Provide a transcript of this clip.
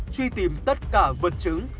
truy tìm tất cả vật chứng